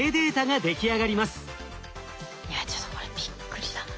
いやちょっとこれびっくりだな。